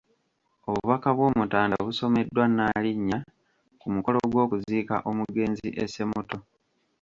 Obubaka bw’Omutanda busomeddwa Nnaalinnya ku mukolo gw’okuziika omugenzi e Ssemuto.